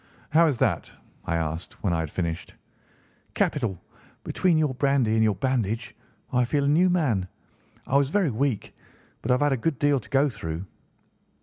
"How is that?" I asked when I had finished. "Capital! Between your brandy and your bandage, I feel a new man. I was very weak, but I have had a good deal to go through."